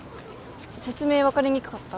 説明分かりにくかった？